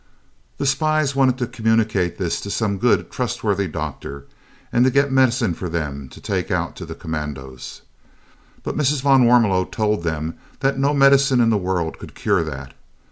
The spies wanted to communicate this to some good, trustworthy doctor and to get medicine for them to take out to the commandos, but Mrs. van Warmelo told them that no medicine in the world could cure that.